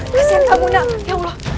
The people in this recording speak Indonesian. kesian kamu nak ya allah